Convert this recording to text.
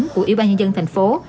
của ủy ban nhân dân thành phố